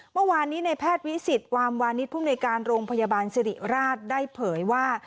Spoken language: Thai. เมื่อวานนี้ในแพทย์วิสิตวามวานิสภูมิในการโรงพยาบาลสิริราชได้เผยว่า